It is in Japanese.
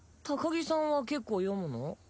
高木さんは結構読むの？